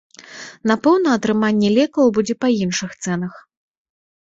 Напэўна, атрыманне лекаў будзе па іншых цэнах.